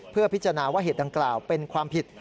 เพื่อพิจารณาว่าเหตุดังกล่าวเป็นความผิด